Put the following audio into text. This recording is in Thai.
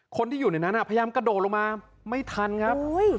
คนที่อยู่ในนั้นพยายามกระโดดลงมาไม่ทันครับ